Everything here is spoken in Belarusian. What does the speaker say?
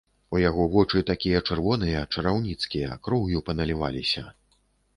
У яго вочы такія чырвоныя, чараўніцкія, кроўю паналіваліся.